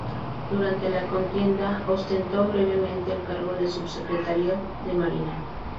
Durante la contienda ostentó brevemente el cargo de Subsecretario de Marina.